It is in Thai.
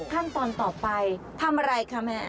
ขั้นตอนต่อไปทำอะไรคะแม่